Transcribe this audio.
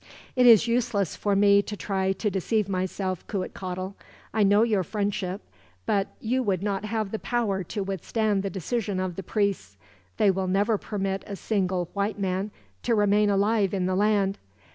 "It is useless for me to try to deceive myself, Cuitcatl. I know your friendship, but you would not have the power to withstand the decision of the priests. They will never permit a single white man to remain alive in the land.